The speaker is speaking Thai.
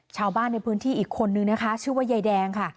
ชาวบ้านในพื้นที่อีกคนนึงนะคะชื่อว่ายายแดงค่ะ